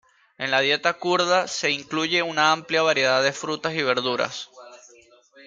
En la dieta kurda se incluye una amplia variedad de frutas y verduras.